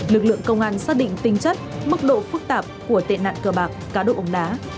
lực lượng công an xác định tinh chất mức độ phức tạp của tệ nạn cờ bạc cá độ bóng đá